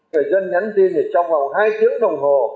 người dân nhắn tin thì trong vòng hai tiếng đồng hồ